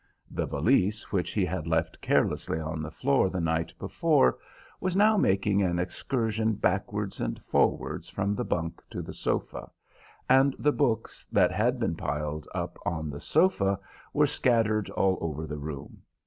The valise which he had left carelessly on the floor the night before was now making an excursion backwards and forwards from the bunk to the sofa, and the books that had been piled up on the sofa were scattered all over the room.